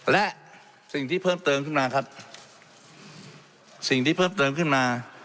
และสิ่งที่เพิ่มเติมขึ้นมาครับสิ่งที่เพิ่มเติมขึ้นมา